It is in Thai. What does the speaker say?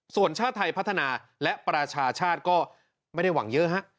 ส่วนชาติไทยพัฒนาและประชาชาติก็ไม่ได้หวังเยอะฮะ